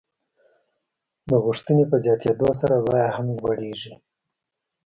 د غوښتنې په زیاتېدو سره بیه هم لوړېږي.